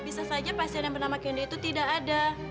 bisa saja pasien yang pernah mengandung itu tidak ada